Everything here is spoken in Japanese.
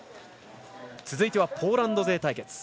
続いてはポーランド勢対決。